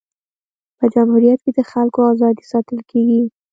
په جمهوریت کي د خلکو ازادي ساتل کيږي.